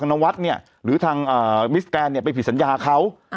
นวัฒน์เนี่ยหรือทางมิสแกนเนี่ยไปผิดสัญญาเขา